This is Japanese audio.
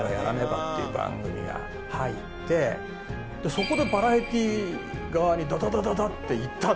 そこでバラエティ側にダダダダダっていったんだよ。